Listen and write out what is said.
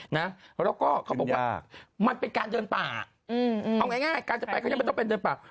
แล้วก็เขาบอกว่ามันเป็นการเดินป่าเอาง่ายการจะไปเขายังไม่ต้องไปเดินป่า